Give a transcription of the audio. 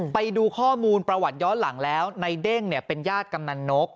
ไปดูข้อมูลประวัติย้อนหลังแล้วในเด้งเป็นญาติกำนันนก